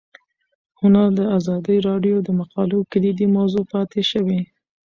هنر د ازادي راډیو د مقالو کلیدي موضوع پاتې شوی.